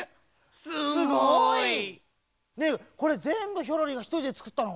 すごい！ねえこれぜんぶヒョロリがひとりでつくったの？